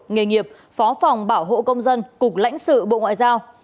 nghề nghiệp phó phòng bảo hộ công dân cục lãnh sự bộ ngoại giao